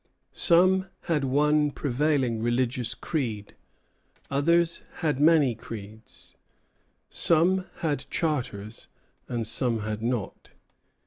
Some had one prevailing religious creed; others had many creeds. Some had charters, and some had not.